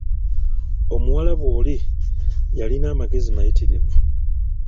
Omuwarabu oli yalina amagezi mayitirivu